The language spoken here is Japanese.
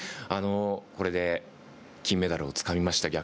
これで金メダルをつかみました。